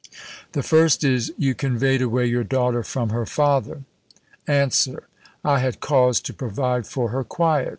"The first is, you conveyed away your daughter from her father. Answer. I had cause to provide for her quiet.